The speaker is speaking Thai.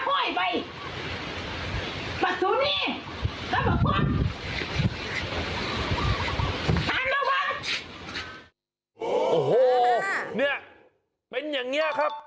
โอ้โหเนี่ยเป็นอย่างนี้ครับ